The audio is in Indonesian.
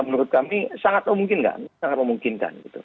ya menurut kami sangat memungkinkan